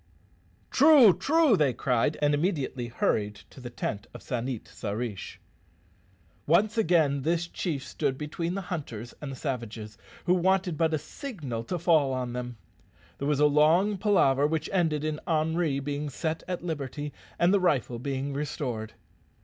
"True, true," they cried, and immediately hurried to the tent of San it sa rish. Once again this chief stood between the hunters and the savages, who wanted but a signal to fall on them. There was a long palaver, which ended in Henri being set at liberty and the rifle being restored.